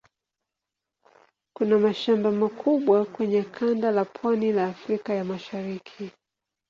Kuna mashamba makubwa kwenye kanda la pwani ya Afrika ya Mashariki.